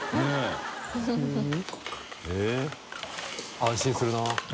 安心する。